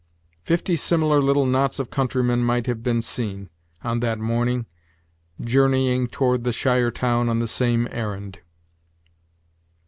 Fifty similar little knots of countrymen might have been seen, on that morning, journeying toward the shire town on the same errand.